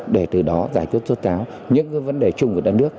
để từ đó giải quyết tốt cáo những cái vấn đề chung của đất nước